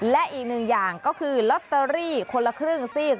และอีกหนึ่งอย่างก็คือลอตเตอรี่คนละครึ่งซีก